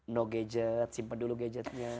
no gadget simpan dulu gadgetnya